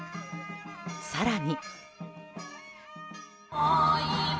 更に。